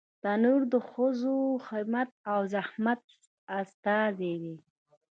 تنور د ښځو همت او زحمت استازی دی